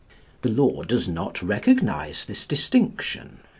The law does not recognise this distinction.